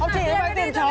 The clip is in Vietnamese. chị ấy vay tiền cháu